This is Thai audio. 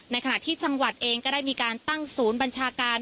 ในขณะที่จังหวัดเองก็ได้มีการตั้งศูนย์บัญชาการ